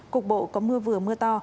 cục bộ có mưa vừa mưa to